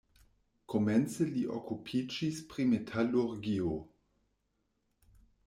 Komence li okupiĝis pri metalurgio.